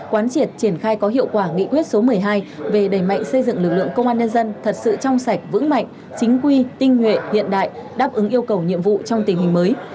quán triệt triển khai có hiệu quả nghị quyết số một mươi hai về đẩy mạnh xây dựng lực lượng công an nhân dân thật sự trong sạch vững mạnh chính quy tinh nguyện hiện đại đáp ứng yêu cầu nhiệm vụ trong tình hình mới